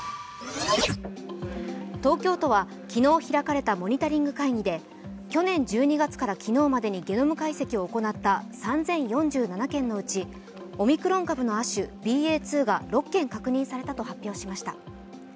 東京都は昨日開かれたモニタリング会議で去年１２月から昨日までにゲノム解析を行った３０４７件のうち、オミクロン株の亜種ＢＡ．２が６件確認されたと発表されました。